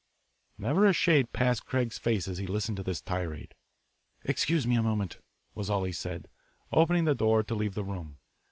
Never a shade passed Craig's face as he listened to this tirade. "Excuse me a moment," was all he said, opening the door to leave the room.